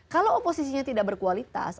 kalau oposisinya tidak berkualitas